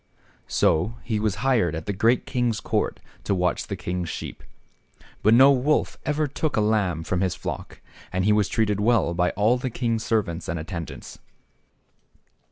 So he was hired at the great king's court to watch the king's sheep. But no wolf ever took a lamb from his flock, and he was treated well by all the king's servants and attendants.